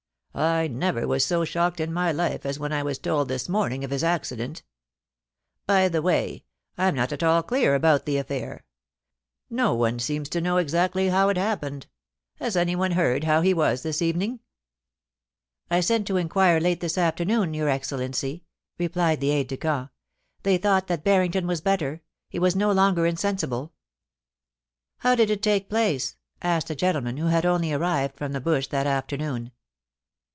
I never was so shocked in my life as when I was told this morning of his accident By the way, I am not at all clear about the affair. No one seems to know exactly how it happened Has any one heard how he was this evening ?' 24 — 2 372 POLICY AND PASSION. *I sent to inquire late this afternoon, your Excellency/ replied the aide de camp. * They thought that Barrington was better — he was no longer insensible.' ' How did it take place ?* asked a gentleman who had only arrived from the Bush that afternoon.